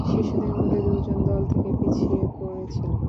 শিশুদের মধ্যে দু'জন দল থেকে পিছিয়ে পড়েছিল।